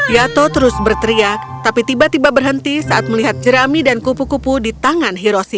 yato terus berteriak tapi tiba tiba berhenti saat melihat jerami dan kupu kupu di tangan hiroshi